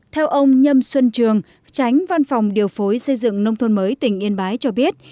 theo ông nhâm xuân trường tránh văn phòng điều phối xây dựng nông thôn mới tỉnh yên bái cho biết